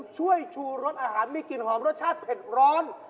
ช่วยชูรสอาหารมีกลิ่นหอมรสชาติเผ็ดร้อน